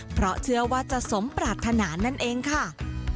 เพราะเชื่อว่าจะสมปรารถนานั่นเองค่ะ